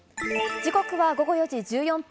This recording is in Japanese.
時刻は午後４時１４分。